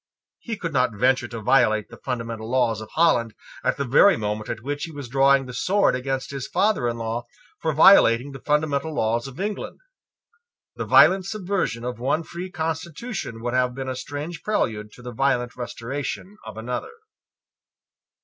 He could not venture to violate the fundamental laws of Holland at the very moment at which he was drawing the sword against his father in law for violating the fundamental laws of England. The violent subversion of one free constitution would have been a strange prelude to the violent restoration of another.